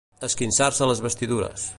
Esquinçar-se les vestidures.